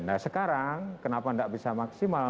nah sekarang kenapa tidak bisa maksimal